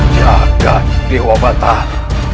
jaga dewa batal